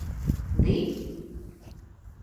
Vi?